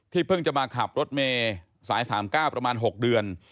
เพิ่งจะมาขับรถเมย์สาย๓๙ประมาณ๖เดือน